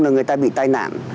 là người ta bị tai nạn